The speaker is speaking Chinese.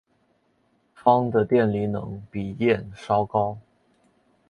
钫的电离能比铯稍高。